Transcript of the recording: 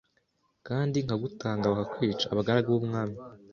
kandi nkagutanga bakakwica Abagaragu b'umwami